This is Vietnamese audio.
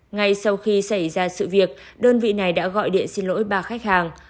ngay sau khi xảy ra sự việc đơn vị này đã gọi điện xin lỗi ba khách hàng